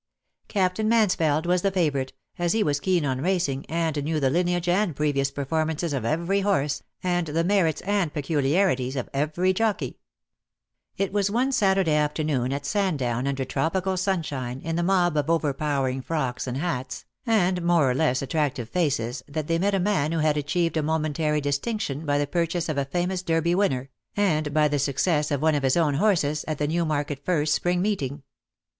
Captain Mansfeld was the favourite, as he was keen on racing, and knew the lineage and previous per formances of every horse, and the merits and pe culiarities of every jockey. 208 DEAD LOVE HAS CPIAINS. It was one Saturday afternoon at Sandown, under tropical sunshine, in the mob of over powering frocks and hats, and more or less attrac tive faces, that they met a man who had achieved a momentary distinction by the purchase of a famous Derby winner, and by the success of one of his own horses at the Newmarket First Spring meeting.